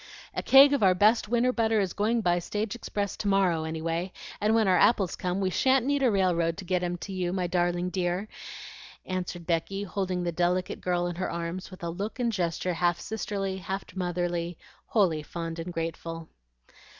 "A keg of our best winter butter is going by stage express to morrow anyway; and when our apples come, we shan't need a railroad to get 'em to you, my darling dear," answered Becky, holding the delicate girl in her arms with a look and gesture half sisterly, half motherly, wholly fond and grateful.